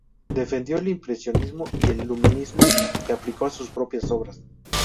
Defendió el impresionismo y el luminismo, que aplicó a sus propias obras.